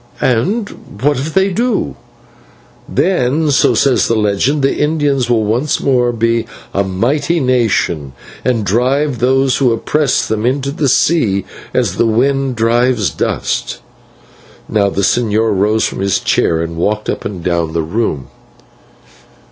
"And what if they do?" "Then, so says the legend, the Indians will once more be a mighty nation, and drive those who oppress them into the sea, as the wind drives dust." Now the señor rose from his chair and walked up and down the room.